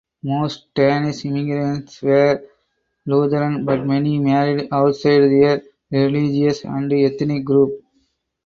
Most Danish immigrants were Lutheran but many married outside their religious and ethnic group.